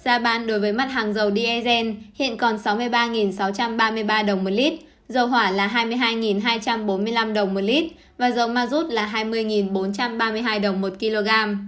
giá bán đối với mặt hàng dầu dsn hiện còn sáu mươi ba sáu trăm ba mươi ba đồng một lít dầu hỏa là hai mươi hai hai trăm bốn mươi năm đồng một lít và dầu ma rút là hai mươi bốn trăm ba mươi hai đồng một kg